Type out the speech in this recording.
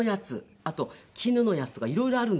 あと絹のやつとか色々あるんですよ。